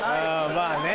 まあね